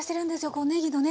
こうねぎのね